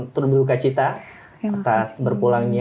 turut berduka cita atas berpulangnya